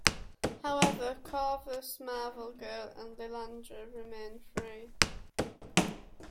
However, Korvus, Marvel Girl and Lilandra remain free.